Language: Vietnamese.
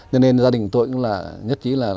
cho nên gia đình tôi cũng là nhất trí là